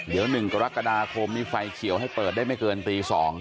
เดี๋ยวหนึ่งก็ลักษณะคมมีไฟเขียวให้เปิดได้ไม่เกินตีสอง